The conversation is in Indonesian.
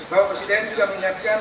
bapak presiden juga mengingatkan